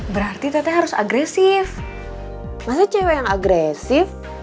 berarti teteh harus agresif masa cewek yang agresif